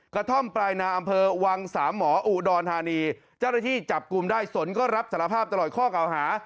กระท่อมปลายนาอำเภอวังสามหมออุดรธานีเจ้าหน้าที่จับกลุ่มได้สนก็รับสารภาพตลอดข้อเก่าหา